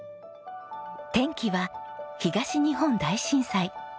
転機は東日本大震災。